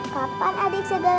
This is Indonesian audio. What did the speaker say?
kapan adik segala lahir